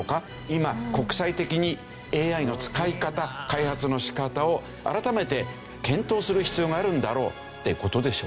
今国際的にＡＩの使い方開発の仕方を改めて検討する必要があるんだろうって事でしょうね。